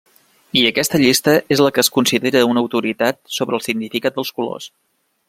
I aquesta llista és la que es considera una autoritat sobre el significat dels colors.